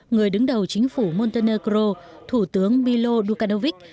người đứng đầu chính phủ montenegro thủ tướng milo dukhanovic